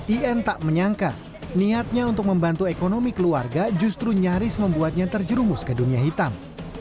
in tak menyangka niatnya untuk membantu ekonomi keluarga justru nyaris membuatnya terjerumus ke dunia hitam